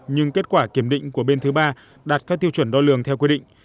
nhưng kết quả kiểm định của bên thứ ba đạt các tiêu chuẩn đo lường theo quy định